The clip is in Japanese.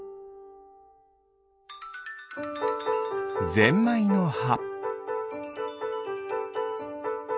ゼンマイのは。